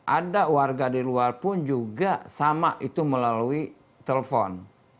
ada warga di luar pun juga sama itu melalui telepon